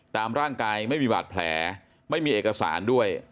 ตามร่างกายไม่มีบาดแผลไม่มีเอกสารด้วย